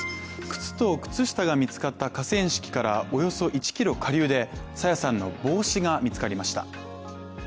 靴と靴下が見つかった河川敷からおよそ１ｋｍ下流で朝芽さんの帽子が見つかりました。